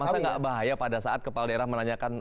masa nggak bahaya pada saat kepala daerah menanyakan